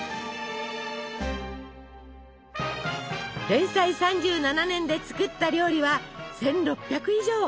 連載３７年で作った料理は１，６００以上。